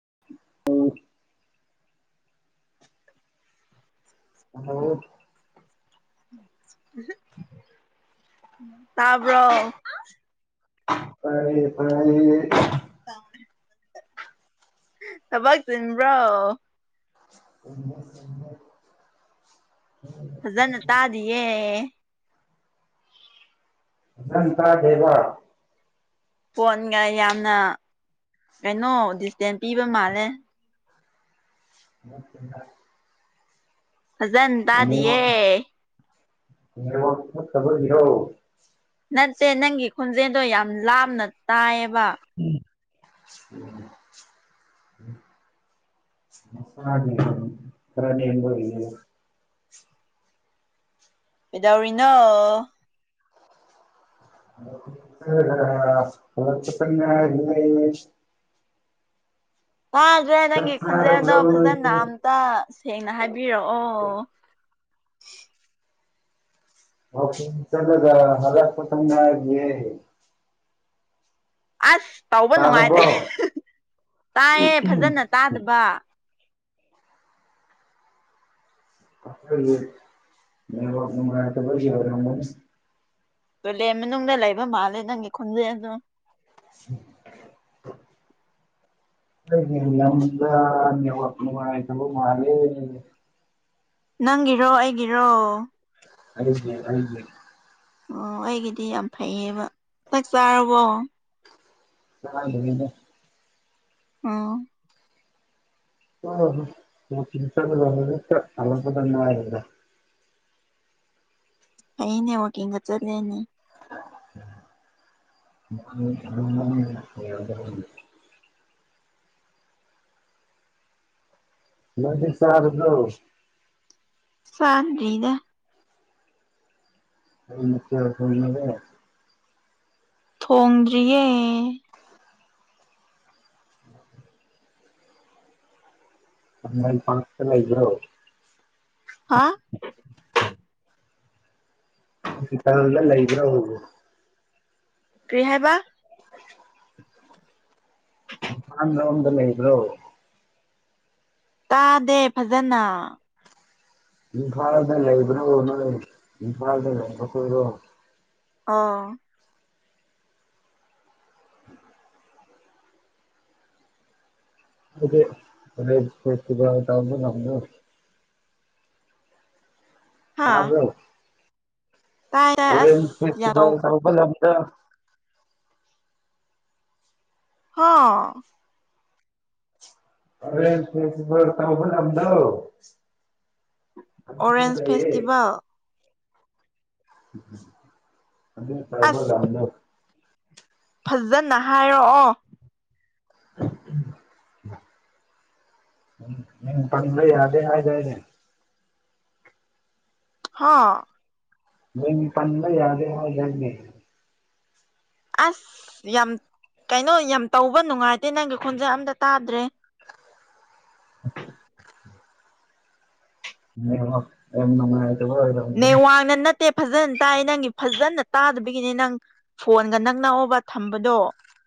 [unintelligible] [unintelligible] ꯇꯥꯕ꯭ꯔꯣ ꯇꯥꯏꯌꯦ ꯇꯥꯏꯌꯦ [unintelligible] ꯊꯕꯥꯛ ꯆꯤꯟꯕ꯭ꯔꯣ [unintelligible] ꯐꯖꯅ ꯇꯥꯗꯤꯌꯦ ꯐꯖꯅ ꯇꯥꯗꯦꯕ ꯐꯣꯟꯒ ꯌꯥꯝꯅ ꯀꯩꯅꯣ ꯗꯤꯁꯇꯦꯟꯁ ꯄꯤꯕ ꯃꯥꯜꯂꯦ [unintelligible] ꯐꯖꯅ ꯅꯦꯠꯋꯥꯛ ꯇꯥꯗꯤꯌꯦ ꯅꯦꯠꯋꯥꯛ ꯐꯠꯇꯕꯒꯤꯔꯣ ꯅꯠꯇꯦ ꯅꯪꯒꯤ ꯈꯣꯟꯖꯦꯜꯗꯣ ꯌꯥꯝ ꯂꯥꯞꯅ ꯇꯥꯏꯌꯦꯕ [unintelligible] ꯃꯁꯥꯒꯤ ꯑꯗꯨꯝ ꯈꯔ ꯅꯦꯝꯕꯒꯤ ꯀꯩꯗꯧꯔꯤꯅꯣ [unintelligible] ꯍꯜꯂꯛꯄꯇ ꯉꯥꯏꯔꯤꯌꯦ ꯇꯥꯗ꯭ꯔꯦ ꯆꯥꯛ ꯅꯪꯒꯤ ꯈꯣꯟꯖꯦꯜꯗꯣ ꯆꯥꯔꯕ꯭ꯔꯣ ꯐꯖꯅ ꯅꯣꯏꯗꯤ ꯑꯝꯇ ꯁꯦꯡꯅ ꯍꯥꯏꯕꯤꯔꯛꯑꯣ [inaudible] [unintelligible] ꯍꯜꯂꯛꯄꯗ ꯉꯥꯏꯔꯤꯌꯦ ꯑꯁ ꯇꯧꯕ ꯇꯥꯔꯕꯣ ꯅꯨꯡꯉꯥꯏꯇꯦ ꯇꯥꯏꯌꯦ ꯐꯖꯅ ꯇꯥꯗꯕ [unintelligible] ꯅꯦꯠꯋꯥꯛ ꯅꯨꯉꯥꯏꯇꯕꯒꯤ ꯑꯣꯏꯔꯝꯒꯅꯤ ꯇꯣꯏꯂꯦ ꯃꯅꯨꯡꯗ ꯂꯩꯕ ꯃꯥꯜꯂꯦ ꯅꯪꯒꯤ ꯈꯣꯟꯖꯦꯜꯗꯣ [unintelligible] ꯑꯩꯒꯤ ꯂꯝꯗ ꯅꯦꯠꯋꯥꯛ ꯅꯨꯡꯉꯥꯏꯇꯕ ꯃꯥꯂꯦ ꯅꯪꯒꯤꯔꯣ ꯑꯩꯒꯤꯔꯣ ꯑꯩꯒꯤ ꯑꯩꯒꯤ ꯑꯣ ꯑꯩꯒꯤꯗꯤ ꯌꯥꯝ ꯐꯩꯌꯦꯕ ꯆꯥꯛ ꯆꯥꯔꯕꯣ ꯆꯥꯗ꯭ꯔꯤꯗ ꯑꯣ [unintelligible] ꯋꯥꯛꯀꯤꯡ ꯆꯠꯂꯒ ꯍꯧꯖꯤꯛꯇ ꯍꯜꯂꯛꯄꯗ ꯉꯥꯏꯔꯤꯗ ꯑꯩꯅꯦ ꯋꯥꯀꯤꯡꯒ ꯆꯠꯂꯦꯅꯦ [unintelligible] ꯅꯪꯗꯤ ꯆꯥꯔꯕ꯭ꯔꯣ ꯆꯥꯗ꯭ꯔꯤꯗ ꯀꯩ ꯃꯊꯦꯜ ꯊꯣꯡꯂꯒꯦ ꯊꯣꯡꯗ꯭ꯔꯤꯌꯦ ꯑꯝꯕꯥꯏꯟ ꯄꯥꯔ꯭ꯛꯇ ꯂꯩꯕ꯭ꯔꯣ ꯍꯥ ꯍꯣꯁꯄꯤꯇꯥꯜꯗ ꯂꯩꯕ꯭ꯔꯣ ꯀꯩ ꯍꯥꯏꯕ ꯥꯏꯝꯐꯥꯟ ꯂꯣꯝꯗ ꯂꯩꯕ꯭ꯔꯣ ꯇꯥꯗꯦ ꯐꯖꯅ ꯏꯝꯐꯥꯜꯗ ꯂꯩꯕ꯭ꯔꯥꯣ ꯅꯣꯏ ꯏꯝꯐꯥꯜꯗ ꯂꯩꯕ ꯈꯣꯏꯔꯣ ꯑꯥ ꯑꯗꯨꯗꯤ ꯑꯣꯔꯦꯟ꯭ꯖ ꯐꯦꯁꯇꯤꯚꯜ ꯇꯧꯕ ꯂꯝꯗꯣ ꯍꯥ ꯇꯥꯕ꯭ꯔꯣ ꯇꯥꯏ ꯇꯥꯏ ꯑꯁ ꯑꯣꯔꯦꯟꯖ ꯌꯥꯝ ꯇꯧ ꯐꯦꯁꯇꯤꯚꯜ ꯇꯧꯕ ꯂꯝꯗꯣ ꯍꯥ ꯑꯣꯔꯦꯁ ꯐꯦꯁꯇꯤꯚꯦꯜ ꯇꯧꯕ ꯂꯝꯗꯣ ꯑꯗꯨꯗ ꯑꯣꯔꯦꯟꯖ ꯂꯩꯌꯦ ꯐꯦꯁꯇꯤꯚꯦꯜ ꯑꯗꯨꯅ ꯀꯔꯝꯕ ꯑꯁ ꯂꯝꯅꯣ ꯐꯖꯅ ꯍꯥꯏꯔꯛꯑꯣ [inaudible] ꯎꯝ ꯅꯪ ꯄꯟꯕ ꯌꯥꯗꯦ ꯍꯥꯏꯗꯥꯏꯅꯦ ꯍꯥꯥ ꯃꯤꯡ ꯄꯟꯕ ꯌꯥꯗꯦ ꯍꯥꯏꯗꯥꯏꯅꯦ ꯑꯁ ꯌꯥꯝ ꯀꯩꯅꯣ ꯌꯥꯝ ꯇꯧꯕ ꯅꯨꯡꯉꯥꯏꯇꯦ ꯅꯪꯒꯤ ꯈꯣꯟꯖꯦꯜ ꯑꯝꯇ ꯇꯥꯗ꯭ꯔꯦ ꯅꯦꯠꯋꯥꯛ ꯌꯥꯝ ꯅꯨꯡꯉꯥꯏꯇꯕ ꯑꯣꯏꯔꯝꯒꯅꯤ ꯅꯦꯋꯥꯡꯅ ꯅꯠꯇꯦ ꯐꯖꯅ ꯇꯥꯏ ꯅꯪꯒꯤ ꯐꯖꯅ ꯇꯥꯗꯕꯒꯤꯅꯤ ꯅꯪ ꯐꯣꯟꯒ ꯅꯛꯅꯑꯣꯕ ꯊꯝꯕꯗꯣ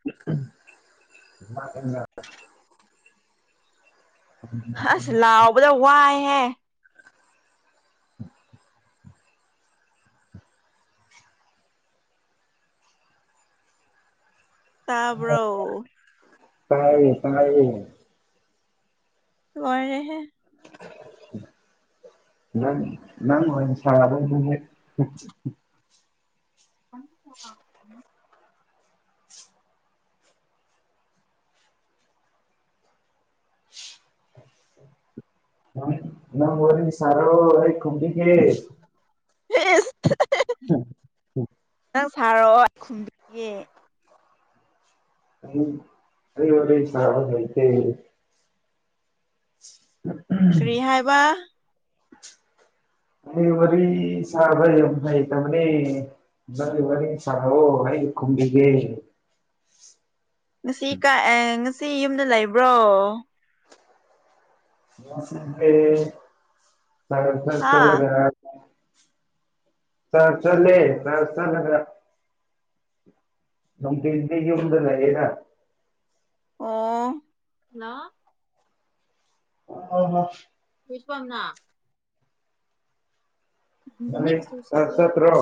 [unintelligible] ꯍ ꯑꯁ ꯂꯥꯎꯕꯗ ꯋꯥꯏꯍꯦ [inaudible] ꯇꯥꯕ꯭ꯔꯣ ꯇꯥꯏꯌꯦ ꯇꯥꯏꯌꯦ ꯂꯣꯏꯔꯦꯍꯦ [inaudible] ꯅꯪ ꯅꯪ ꯑꯣꯏꯅ ꯁ꯭ꯇꯣꯟ ꯑꯗꯨꯗꯤ [inaudible] ꯅꯪ ꯋꯥꯔꯤ ꯁꯥꯔꯣ ꯑꯩ ꯈꯨꯝꯕꯤꯒꯦ ꯏꯁ [inaudible] ꯅꯪ ꯁꯥꯔꯛꯑꯣ ꯑꯩ ꯈꯨꯝꯕꯤꯒꯦ ꯑꯩ ꯑꯩ ꯋꯥꯔꯤ ꯁꯥꯕ ꯂꯩꯇꯦ ꯀꯔꯤ ꯍꯥꯏꯕ ꯃꯤ ꯋꯥꯕꯤ ꯁꯥꯔꯕ ꯌꯥꯝ ꯍꯩꯇꯕꯅꯦ ꯅꯪ ꯋꯥꯔꯤ ꯁꯥꯅꯧꯑꯣ ꯑꯩ ꯈꯨꯝꯕꯤꯒꯦ ꯉꯁꯤ ꯀꯥ ꯉꯁꯤ ꯌꯨꯝꯗ ꯂꯩꯕ꯭ꯔꯣ ꯍꯥ [unintelligible] ꯆ꯭ꯔꯁ ꯆꯠꯂꯦ ꯆ꯭ꯔꯁ ꯆꯠꯂꯒ ꯅꯨꯡꯊꯤꯟꯗꯤ ꯌꯨꯝ ꯗ ꯂꯩꯌꯦꯗ ꯑꯣ ꯍꯜꯂꯣ [unintelligible] [unintelligible] ꯅꯪꯗꯤ ꯆ꯭ꯔꯁ ꯆꯠꯇ꯭ꯔꯣ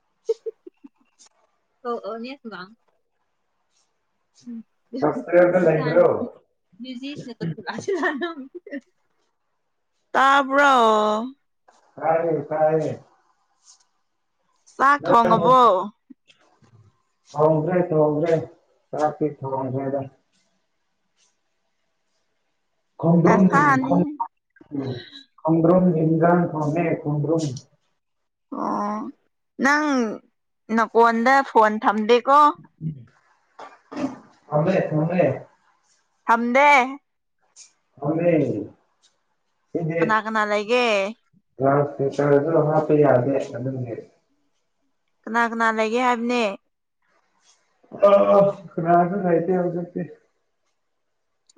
[unintelligible] ꯍꯣꯁꯇꯦꯜꯗ ꯂꯩꯕ꯭ꯔꯣ [unintelligible] ꯇꯥꯕ꯭ꯔꯣ ꯇꯥꯏꯌꯦ ꯇꯥꯏꯌꯦ ꯆꯥꯛ ꯊꯣꯡꯉꯕꯣ ꯊꯣꯡꯈ꯭ꯔꯦ ꯊꯣꯡꯈ꯭ꯔꯦ ꯆꯥꯛꯇꯤ ꯊ꯭ꯣꯡꯈ꯭ꯔꯦꯗ ꯈꯣꯡꯗ꯭ꯔꯨꯝ ꯗꯁꯥꯅꯤꯍꯦ ꯈꯣꯡꯗ꯭ꯔꯨꯟ ꯏꯟꯁꯥꯡ ꯊꯣꯡꯉꯦ ꯈꯣꯡꯗ꯭ꯔꯨꯝ ꯑꯣ ꯅꯪ ꯅꯀꯣꯟꯗ ꯐꯣꯟ ꯊꯝꯗꯦ ꯊꯝꯃꯦ ꯊꯝꯃꯦ ꯊꯝꯗꯦ ꯊꯝꯃꯦ ꯀꯅꯥ ꯀꯅꯥ ꯂꯩꯒꯦ [unintelligible] ꯍꯥꯞꯄ ꯑꯗꯨꯒꯤ ꯀꯅꯥ ꯀꯅꯥ ꯂꯩꯒꯦ ꯍꯥꯏꯕꯅꯦ ꯑꯥ ꯀꯥꯅꯁꯨ ꯂꯩꯇꯦ ꯍꯧꯖꯤꯛꯇꯤ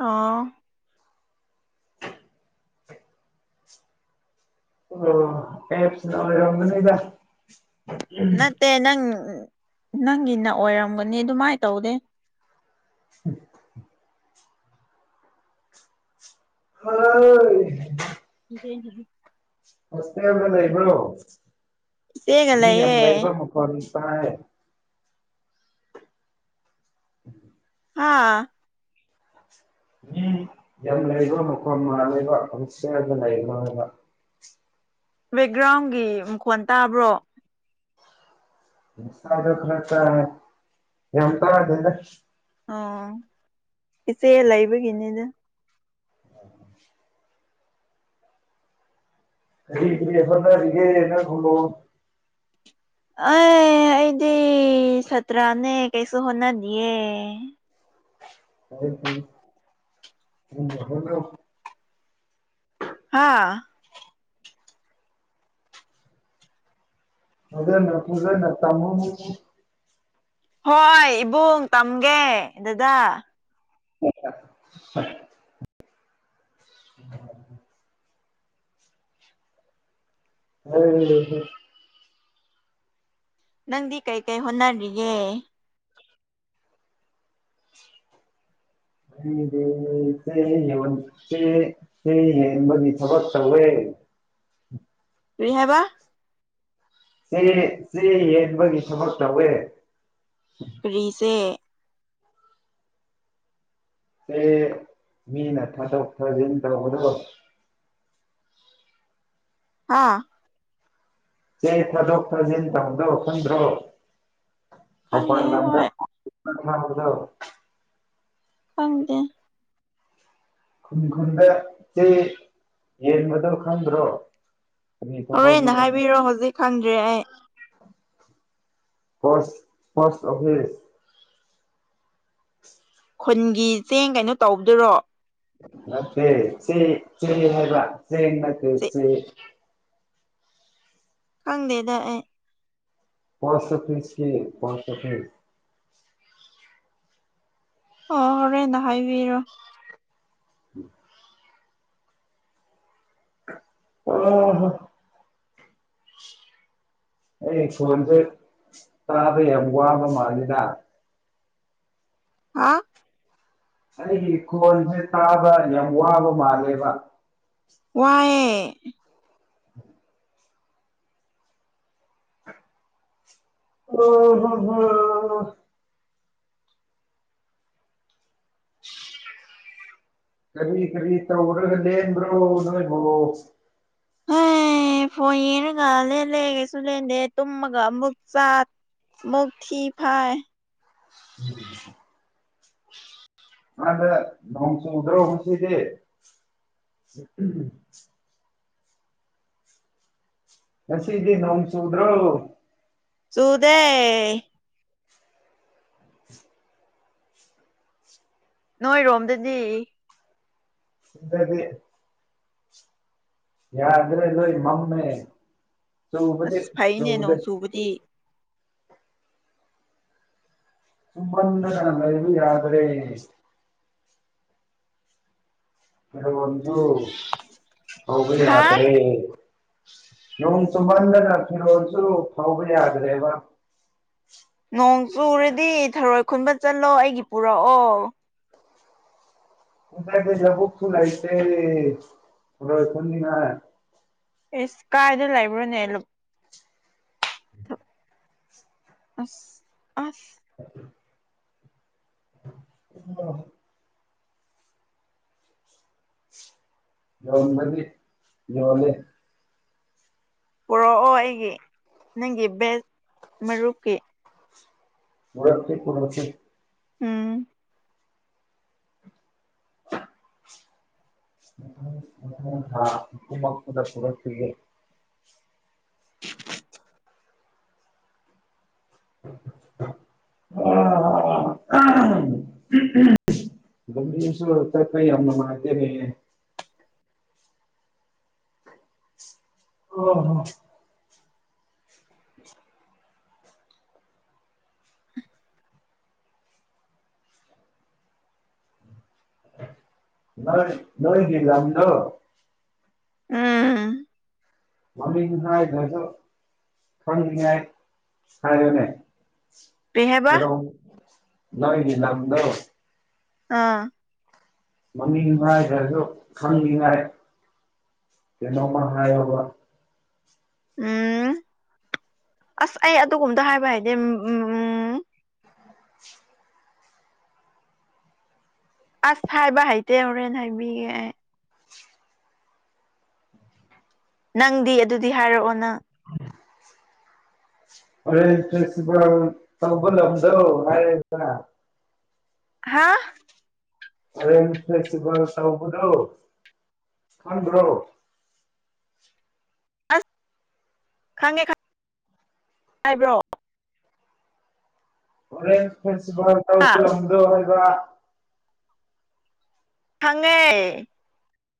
ꯑꯥ ꯑꯣ ꯑꯦꯞꯅ ꯑꯣꯏꯔꯝꯒꯅꯤꯗ ꯅꯠꯇꯦ ꯅꯪ ꯅꯪꯒꯤꯅ ꯑꯣꯏꯔꯝꯒꯅꯤ ꯑꯗꯨꯃꯥꯏꯅ ꯇꯧꯗꯦ ꯎꯝ ꯍꯣꯏ [unintelligible] ꯍꯣꯁꯇꯦꯜꯗ ꯂꯩꯕ꯭ꯔꯣ ꯏꯆꯦꯒ ꯃꯤ ꯌꯥꯝ ꯂꯩꯌꯦ ꯂꯩꯕ ꯃꯈꯣꯟ ꯇꯥꯏ [inaudible] ꯍꯥꯥ ꯃꯤ ꯌꯥꯝꯂꯩꯕꯃꯈꯣꯜ ꯃꯥꯜꯂꯦꯕ ꯍꯣꯁꯇꯦꯜꯗꯂꯩꯕ꯭ꯔꯣ ꯕꯦꯛꯒ꯭ꯔꯥꯎꯟꯒꯤ ꯃꯈꯣꯟ ꯇꯥꯕ꯭ꯔꯣ ꯑꯥꯔꯇꯥꯏ ꯌꯥꯝ ꯇꯥꯗꯦꯗ ꯑꯣ ꯏꯆꯦ ꯂꯩꯕꯒꯤꯅꯤꯗ ꯀꯔꯤ ꯀꯔꯤ ꯍꯣꯠꯅꯔꯤꯒꯦ ꯑꯩ ꯑꯩꯗꯤ ꯁꯇ꯭ꯔꯥꯅꯦ ꯀꯩꯁꯨ ꯍꯣꯠꯅꯗꯦ [unintelligible] ꯍꯥꯥ ꯐꯖꯅ ꯐꯖꯅ ꯇꯝꯃꯨ ꯍꯣꯏ ꯏꯕꯨꯡ ꯇꯝꯒꯦ ꯗꯗꯥ [unintelligible] [inaudible] [unintelligible] ꯅꯪꯗꯤ ꯀꯩ ꯀꯩ ꯍꯣꯠꯅꯔꯤꯒꯦ ꯈꯪꯗꯦ ꯑꯩ ꯆꯦ ꯌꯦꯟꯕꯒꯤ ꯆꯦ ꯌꯦꯟꯕꯒꯤ ꯊꯕꯛ ꯇꯧꯋꯦ [inaudible] ꯀ꯭ꯔꯤ ꯍꯥꯏꯕ ꯆꯦ ꯆꯦ ꯌꯦꯟꯕꯒꯤ ꯊꯕꯛ ꯇꯧꯋꯦ ꯀ꯭ꯔꯤ ꯆꯦ ꯆꯦ ꯃꯤꯅ ꯊꯥꯗꯣꯛ ꯊꯥꯖꯤꯟ ꯇꯧꯕꯗꯣ ꯍꯥ ꯆꯦ ꯊꯥꯗꯣꯛ ꯊꯥꯖꯤꯟ ꯇꯧꯕꯗꯣ ꯈꯪꯗ꯭ꯔꯣ ꯈꯪꯗꯦ ꯃꯄꯥꯟ ꯍꯦ ꯂꯝꯗ ꯍꯣꯏ [unintelligible] ꯈꯪꯗꯦ ꯈꯨꯟ ꯈꯨꯟꯗ ꯆꯦ ꯌꯦꯟꯕꯗꯣ ꯈꯪꯗ꯭ꯔꯣ ꯀꯔꯤ ꯍꯣꯔꯦꯟ ꯊꯕꯛꯅꯣ ꯍꯥꯏꯕꯤꯔꯣ ꯍꯧꯖꯤꯛ ꯈꯪꯗ꯭ꯔꯦ ꯑꯩ ꯄꯣꯁ ꯄꯣꯁ ꯑꯣꯐꯤꯁ ꯈꯨꯟꯒꯤ ꯆꯦꯡ ꯀꯩꯅꯣ ꯇꯧꯕꯗꯨꯔꯣ ꯅꯠꯇꯦ ꯆꯦ ꯆꯦ ꯍꯥꯏꯕ ꯆꯦꯡ ꯅꯠꯇꯦ ꯆꯦ ꯈꯪꯗꯦꯗꯥ ꯑꯩ ꯄꯣꯁ ꯑꯣꯐꯤꯁꯀꯤ ꯄꯣꯁ ꯑꯣꯐꯤꯁ ꯑꯣ ꯍꯣꯔꯦꯟ ꯍꯥꯏꯕꯤꯔꯣ [inaudible] ꯑꯥ ꯍꯥ ꯑꯩ ꯈꯣꯟꯖꯦ ꯇꯥꯕ ꯌꯥꯝ ꯋꯥꯕ ꯃꯥꯜꯂꯤꯗ ꯍꯥꯥ ꯑꯩꯒꯤ ꯈꯣꯟꯖꯦ ꯇꯥꯕ ꯌꯥꯝ ꯋꯥꯕ ꯃꯥꯜꯂꯦꯕꯥ ꯋꯥꯏꯌꯦ ꯑꯥꯍꯥꯍꯥ ꯀꯔꯤ ꯀꯔꯤ ꯇꯧꯔꯒ ꯂꯦꯟꯕ꯭ꯔꯣ ꯅꯣꯏꯕꯣ ꯍꯦ ꯐꯣꯟ ꯌꯦꯡꯉꯒ ꯂꯦꯜꯂꯦ ꯁꯨ ꯂꯦꯟꯗꯦ ꯇꯨꯝꯃꯒ ꯑꯃꯨꯛ ꯆꯥ ꯃꯨꯛ ꯊꯤ ꯐꯥꯏ ꯑꯗ ꯅꯣꯡ ꯆꯨꯗ꯭ꯔꯣ ꯉꯁꯤꯗꯤ [inaudible] ꯉꯁꯤꯗꯤ ꯅꯣꯡ ꯆꯨꯗ꯭ꯔꯣ ꯆꯨꯗꯦ ꯅꯣꯏꯔꯣꯝꯗꯗꯤ ꯁꯤꯗꯗꯤ ꯌꯥꯗ꯭ꯔꯦ ꯂꯣꯏ ꯃꯝꯃꯦ ꯆꯨꯕꯗꯤ ꯑꯁ ꯐꯩꯅꯦ ꯆꯨꯗꯦ ꯅꯣꯡ ꯆꯨꯕꯗꯤ ꯆꯨꯝꯃꯟꯗꯅ ꯂꯩꯕ ꯌꯥꯗ꯭ꯔꯦ ꯐꯤ ꯔꯣꯟꯁꯨ ꯐꯧꯕ ꯍꯥ ꯌꯥꯗ꯭ꯔꯦ ꯅꯣꯡ ꯆꯨꯃꯟꯗꯅ ꯐꯤꯔꯣꯜꯁꯨ ꯐꯧꯕ ꯌꯥꯗ꯭ꯔꯦꯕꯥ ꯅꯣꯡ ꯆꯨꯔꯗꯤ ꯊꯔꯣꯏ ꯈꯨꯟꯕ ꯆꯠꯂꯣ ꯑꯩꯒꯤ ꯄꯨꯔꯛꯑꯣ ꯈꯣꯏ ꯁꯥꯏꯗ ꯂꯕꯨꯛꯇꯣ ꯂꯩꯇꯦ ꯊꯔꯣꯏ ꯈꯨꯟꯅꯤꯡꯉꯥꯏ ꯏꯁ ꯀꯥꯥꯏꯗ ꯂꯥꯏꯕ꯭ꯔꯅꯦ ꯂ ꯑꯁ ꯑꯁ [unintelligible] ꯌꯣꯟꯕꯗꯤ ꯌꯣꯜꯂꯦ ꯄꯨꯔꯛꯑꯣ ꯑꯩꯒꯤ ꯅꯪꯒꯤ ꯕꯦꯁ ꯃꯔꯨꯞꯀꯤ ꯄꯨꯔꯛꯀꯦ ꯄꯨꯔꯛꯀꯦ ꯎꯝ ꯃꯊꯪ ꯊꯥ ꯀꯨꯝꯃꯛꯄꯗ ꯄꯨꯔꯛꯄꯤꯒꯦ [inaudible] [inaudible] ꯂꯝꯕꯤꯁꯨ ꯆꯠꯄ ꯌꯥꯝ ꯅꯨꯡꯉꯥꯏꯇꯦꯅꯦ ꯍ ꯍ ꯅꯣꯏ ꯅꯣꯏꯒꯤ ꯂꯝꯗꯣ ꯎꯝ ꯃꯃꯤꯡ ꯍꯥꯏꯗ꯭ꯔꯁꯨ ꯈꯪꯅꯤꯡꯉꯥꯏ ꯍꯥꯏꯌꯣ ꯀꯔꯤ ꯍꯥꯏꯕ ꯅꯣꯏꯒꯤ ꯂꯝꯗꯣ ꯑꯥ ꯃꯃꯤꯡ ꯍꯥꯏꯗ꯭ꯔꯁꯨ ꯈꯪꯅꯤꯡꯉꯥꯏ ꯀꯩꯅꯣꯃ ꯍꯥꯏꯌꯣꯕ ꯎꯝ ꯑꯁ ꯑꯩ ꯑꯗꯨꯒꯨꯝꯕꯗꯣ ꯍꯥꯏꯕ ꯍꯥꯏꯇꯦ ꯎꯝ ꯑꯁ ꯍꯥꯏꯕ ꯍꯩꯇꯦ ꯍꯣꯔꯦꯟ ꯍꯥꯏꯕꯤꯒꯦ ꯑꯩ ꯅꯪꯗꯤ ꯑꯗꯨꯗꯤ ꯍꯥꯏꯔꯛꯑꯣ ꯅꯪ [inaudible] ꯑꯣꯔꯦꯟꯁ ꯐꯦꯁꯇꯤꯕꯦꯜ ꯇꯧꯕ ꯂꯝꯗꯣ ꯍꯥꯥ ꯑꯣꯔꯦꯟꯁ ꯐ꯭ꯂꯦꯛꯁꯤꯕꯦꯜ ꯇꯧꯕꯗꯣ ꯈꯪꯗ꯭ꯔꯣ [inaudible] ꯑꯁ ꯈꯪꯉꯦ ꯈꯪꯉ ꯍꯥꯏꯕ꯭ꯔꯣꯑꯣ ꯑꯣꯔꯦꯟꯁ ꯐꯦꯁꯇꯤꯕꯦꯜ ꯍꯥ ꯇꯧꯕ ꯂꯝꯗꯣ ꯍꯥꯏꯕ ꯈꯪꯉꯦ